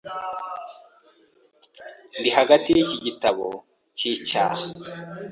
Ndi hagati yiki gitabo cyicyaha.